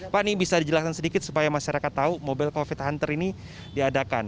pak ini bisa dijelaskan sedikit supaya masyarakat tahu mobile covid hunter ini diadakan